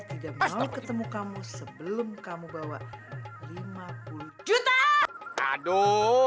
tidak mau ketemu kamu sebelum kamu bawa lima puluh juta aduh